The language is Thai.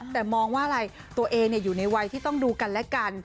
แต่มองว่าอะไรตัวเองอยู่ในวัยที่ต้องดูกันและกัน